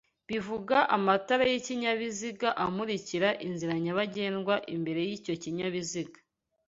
bivuga amatara y'ikinyabiziga amurika inzira nyabagendwa imbere y'icyo kinyabiziga